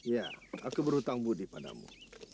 ya aku berhutang budi padamu